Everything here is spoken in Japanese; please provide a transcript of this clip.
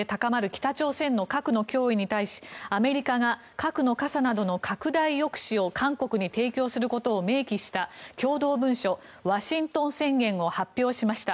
北朝鮮の核の脅威に対しアメリカが核の傘などの拡大抑止を韓国に提供することを明記した共同文書ワシントン宣言を発表しました。